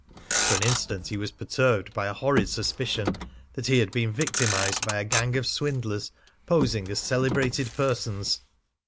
For an instant he was perturbed by a horrid suspicion that he had been victimised by a gang of swindlers posing as celebrated persons.